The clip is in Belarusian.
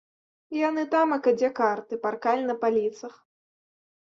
Яны тамака, дзе карты, паркаль на паліцах.